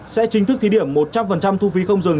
sẽ chính thức thí điểm một trăm linh thu phí không dừng